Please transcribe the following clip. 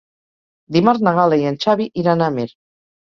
Dimarts na Gal·la i en Xavi iran a Amer.